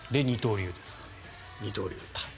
で、二刀流。